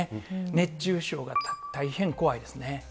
熱中症が大変怖いですね。